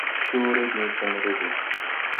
Coore diŋ fen rege.